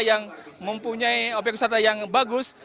yang mempunyai obyek wisata yang bagus